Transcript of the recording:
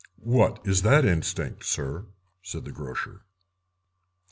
"What is that instinct, sir?" said the grocer.